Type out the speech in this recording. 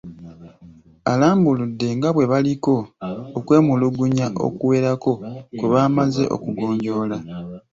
Alambuludde nga bwe baliko okwemulugunya okuwerako kwe baamaze okugonjoola.